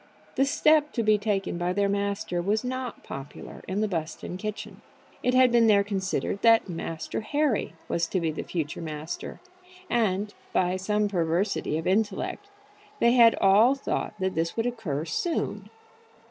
The step to be taken by their master was not popular in the Buston kitchen. It had been there considered that Master Harry was to be the future master, and, by some perversity of intellect, they had all thought that this would occur soon.